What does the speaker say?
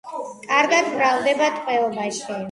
კარგად მრავლდება ტყვეობაში.